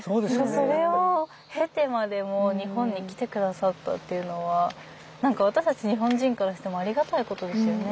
それを経てまでも日本に来て下さったっていうのは何か私たち日本人からしてもありがたいことですよね。